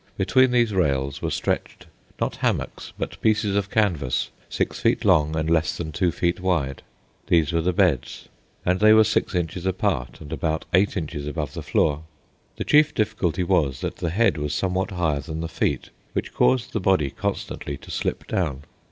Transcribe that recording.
Between these rails were stretched, not hammocks, but pieces of canvas, six feet long and less than two feet wide. These were the beds, and they were six inches apart and about eight inches above the floor. The chief difficulty was that the head was somewhat higher than the feet, which caused the body constantly to slip down.